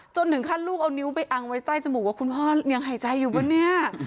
จนถึงขั้นลูกเอานิ้วไปอังไว้ใต้จมูกว่าคุณพ่อยังหายใจอยู่ป่ะเนี่ย